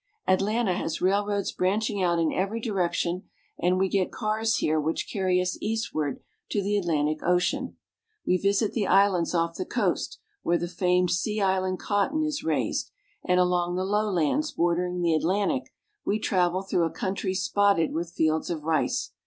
Atlanta has railroads branching out in every direction, and we get cars here which carry us eastward to the Atlantic Ocean. We visit the islands off the coast where the famed sea island cotton is raised ; and along the lowlands bordering the Atlantic we travel through a country^ spotted with fields of rice.